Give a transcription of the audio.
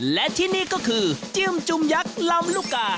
และที่นี่ก็คือจิ้มจุ่มยักษ์ลำลูกกา